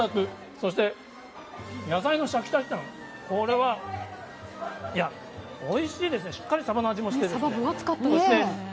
そして、野菜のしゃきしゃき感、これは、いや、おいしいですね、しっかりサバの味もしてる。